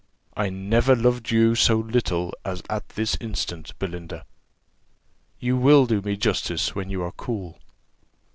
"I never loved you so little as at this instant, Belinda." "You will do me justice when you are cool."